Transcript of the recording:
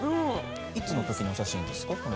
いつの時のお写真ですか。